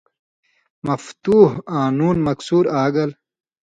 مفتُوح آں نُون مکسُور آگل